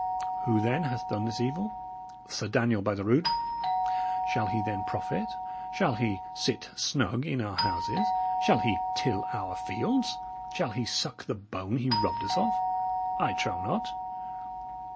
Who, then, hath done this evil? Sir Daniel, by the rood! Shall he then profit? shall he sit snug in our houses? shall he till our fields? shall he suck the bone he robbed us of? I trow not.